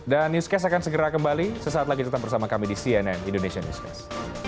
dan newscast akan segera kembali sesaat lagi tetap bersama kami di cnn indonesian newscast